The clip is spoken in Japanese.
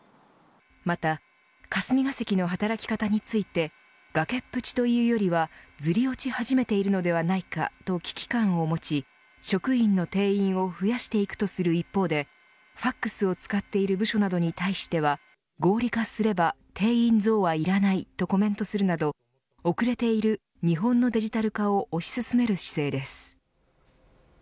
また、霞が関の働き方について崖っぷちというよりはずり落ち始めているのではないかと危機感を持ち職員の定員を増やしていくとする一方でファックスを使っている部署などに対しては合理化すれば定員増はいらないとコメントするなど遅れている日本のデジタル化を推し進める姿勢です。